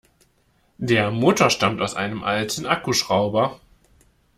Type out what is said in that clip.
Der Motor stammt aus einem alten Akkuschrauber.